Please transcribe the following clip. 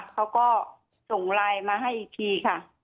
เขาก็ส่งไลน์มาให้อีกทีค่ะ